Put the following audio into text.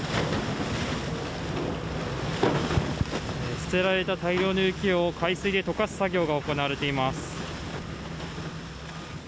捨てられた大量の雪を海水で溶かす作業が行われています。